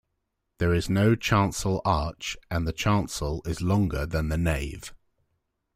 There is no chancel arch, and the chancel is longer than the nave.